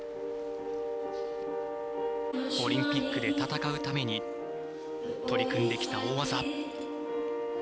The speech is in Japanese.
オリンピックで戦うために取り組んできた大技。